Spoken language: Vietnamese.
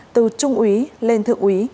từ trung úy lên thượng úy